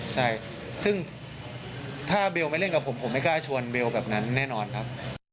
ใช่ซึ่งถ้าเบลไม่เล่นกับผมผมไม่กล้าชวนเบลแบบนั้นแน่นอนครับ